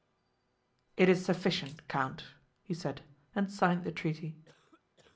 "It is sufficient, count," he said, and signed the treaty.